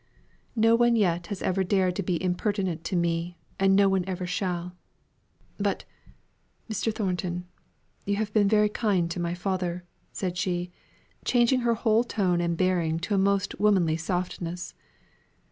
"No one yet has ever dared to be impertinent to me, and no one ever shall. But, Mr. Thornton, you have been very kind to my father," said she, changing her whole tone and bearing to a most womanly softness.